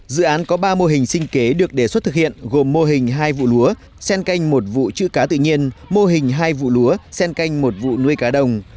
dự án có ba mô hình sinh kế được đề xuất thực hiện gồm mô hình hai vụ lúa sen canh một vụ chữ cá tự nhiên mô hình hai vụ lúa sen canh một vụ nuôi cá đồng